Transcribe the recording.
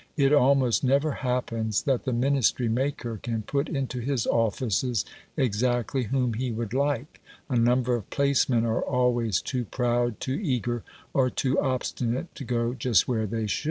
It almost never happens that the Ministry maker can put into his offices exactly whom he would like; a number of placemen are always too proud, too eager, or too obstinate to go just where they should.